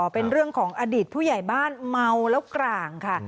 เป็นเรื่องของอดีตผู้ใหญ่บ้านเมาแล้วกร่างค่ะ